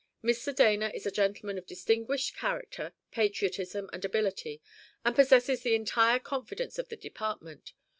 Mr. Dana is a gentleman of distinguished character, patriotism, and ability, and possesses the entire confidence of the department.